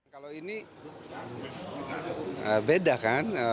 kalau ini beda kan